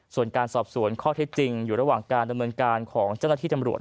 ส่วนการสอบสวนข้อเท็จจริงอยู่ระหว่างการดำเนินการของเจ้าหน้าที่ตำรวจ